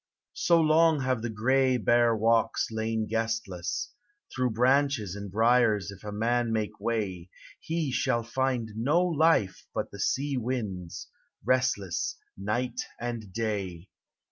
So long have the gray, bare walks lain guestless, Through branches and briers if a man make way, He shall find no life but the sea wind's, restless Night and day.